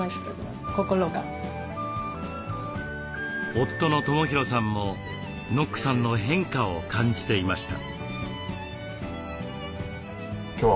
夫の智弘さんもノックさんの変化を感じていました。